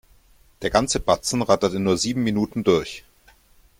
Der ganze Batzen rattert in nur sieben Minuten durch.